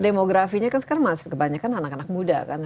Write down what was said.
demografinya kan sekarang kebanyakan anak anak muda kan